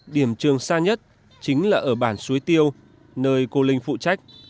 điểm trường xa nhất chính là ở bản suối tiêu nơi cô linh phụ trách